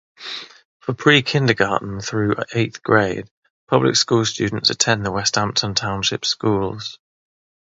For pre-kindergarten through eighth grade, public school students attend the Westampton Township Schools.